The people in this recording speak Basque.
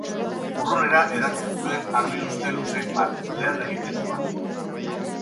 Urrunera hedatzen zuen arbi ustel usain bat, leher egitekoa.